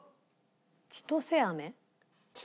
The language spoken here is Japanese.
千歳飴。